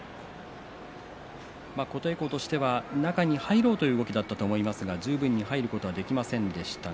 琴恵光としては中に入ろうという動きだったと思いますが十分に入ることができませんでした。